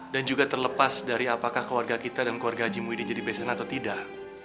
dan juga terlepas dari apakah keluarga kita dan keluarga haji muhyiddin jadi bebasan atau tidak